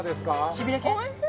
しびれ系？